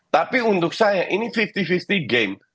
tapi untuk saya ini lima puluh lima puluh game